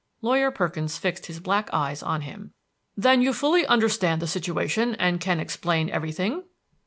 Lawyer Perkins fixed his black eyes on him. "Then you fully understand the situation, and can explain everything?"